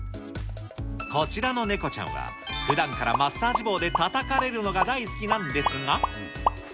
こちらのネコちゃんは、ふだんからマッサージ棒でたたかれるのが大好きなんですが。